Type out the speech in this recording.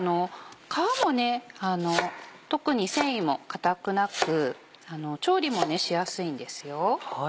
皮も特に繊維も硬くなく調理もしやすいんですよ。